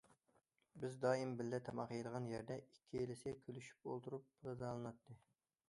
بىز دائىم بىللە تاماق يەيدىغان يەردە ئىككىلىسى كۈلۈشۈپ ئولتۇرۇپ غىزالىناتتى.